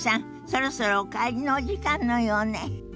そろそろお帰りのお時間のようね。